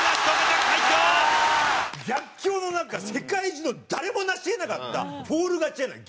逆境の中世界中の誰も成し得なかったフォール勝ちじゃないギブアップ勝ち。